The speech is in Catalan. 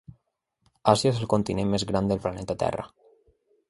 Àsia és el continent més gran del planeta Terra.